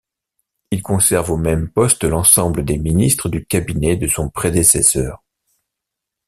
Il conserve aux mêmes postes l'ensemble des ministres du Cabinet de son prédécesseur.